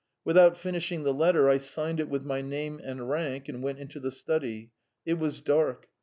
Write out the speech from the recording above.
Without finishing the letter, I signed it with my name and rank, and went into the study. It was dark.